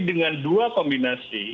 dengan dua kombinasi